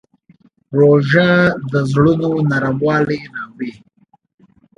روژه د زړونو نرموالی راوړي.